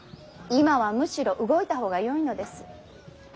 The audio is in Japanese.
今はむしろ動いた方がよいのです。